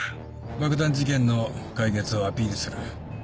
爆弾事件の解決をアピールする。